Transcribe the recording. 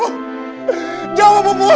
bopo jangan bertanya